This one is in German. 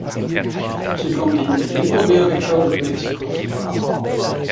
Sie kommt in Mittelamerika und Mexiko vor.